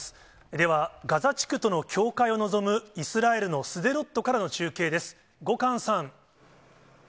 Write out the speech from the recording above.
では、ガザ地区との境界を望むイスラエルのスデロットから中継です。